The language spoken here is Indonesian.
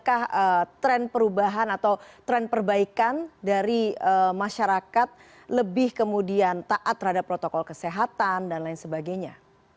apakah tren perubahan atau tren perbaikan dari masyarakat lebih kemudian taat terhadap protokol kesehatan dan lain sebagainya